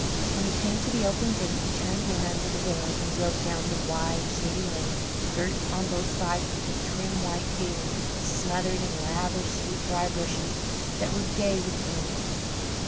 When he came to the open gate he turned in under the willows and drove down the wide, shady lane, girt on both sides with a trim white paling smothered in lavish sweetbriar bushes that were gay with bloom.